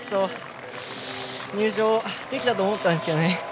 入賞できたと思ったんですけどね